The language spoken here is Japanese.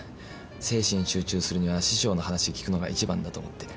「精神集中するには師匠の噺聞くのがいちばんだ」と思ってね。